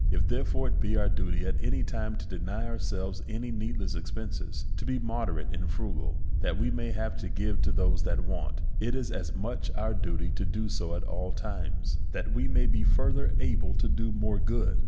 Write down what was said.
If, therefore, it be our duty at any time to deny our selves any needless expenses, to be moderate and fru gal, that we may have to give to those that want, it is as much our duty to do so at all times, that we may be further able to do more good.